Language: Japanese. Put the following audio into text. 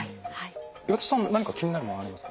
岩田さん何か気になるものありますかね？